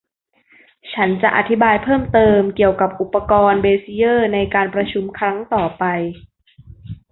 ฉันจะอธิบายเพิ่มเติมเกี่ยวกับอุปกรณ์เบซิเยอร์ในการประชุมครั้งต่อไป